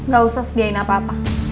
gak usah sediain apa apa